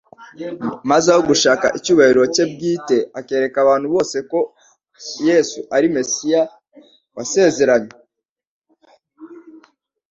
maze aho gushaka icyubahiro cye bwite akereka abantu bose ko Yesu ari Mesiya wasezeranywe.